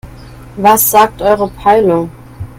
Was sagt eure Peilung?